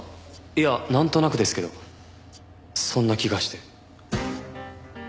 いやなんとなくですけどそんな気がして。